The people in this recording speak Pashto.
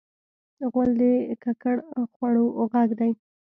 غول د ککړ خوړو غږ دی.